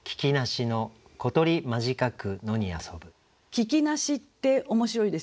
「聞き做し」って面白いですよね。